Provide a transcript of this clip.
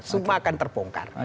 semua akan terpongkar